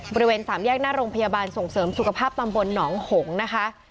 บริเวณสามแยกหน้าโรงพยาบาลส่งเสริมสุขภาพตำบลหนองหงนะคะ